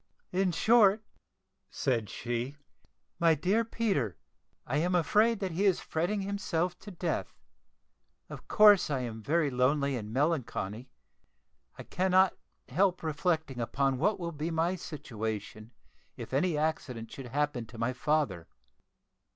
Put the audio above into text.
"In short," said she, "my dear Peter, I am afraid that he is fretting himself to death. Of course I am very lonely and melancholy. I cannot help reflecting upon what will be my situation if any accident should happen to my father.